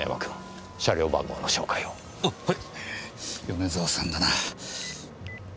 米沢さんだな。